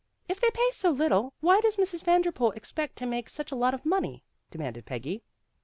"If they pay so little, why does Mrs. Van derpool expect to make such a lot of money?" demanded Peggy.